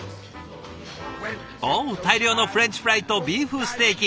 お大量のフレンチフライとビーフステーキ。